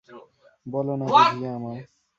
বলো না বুঝিয়ে আমায়?